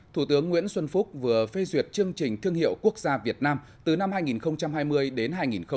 thủ tướng nguyễn xuân phúc vừa phê duyệt chương trình thương hiệu quốc gia việt nam từ năm hai nghìn hai mươi đến hai nghìn hai mươi